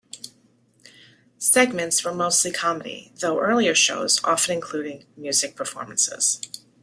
Segments were mostly comedy, though earlier shows often included music performances.